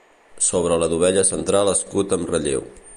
Sobre la dovella central escut amb relleu.